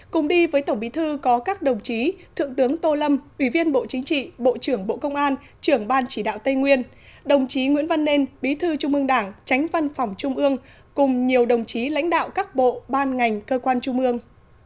cùng đi với tổng bí thư có các đồng chí thượng tướng tô lâm ủy viên bộ chính trị bộ trưởng bộ công an trưởng ban chỉ đạo tây nguyên đồng chí nguyễn văn nên bí thư trung ương đảng tránh văn phòng trung ương cùng nhiều đồng chí lãnh đạo các bộ ban ngành cơ quan trung ương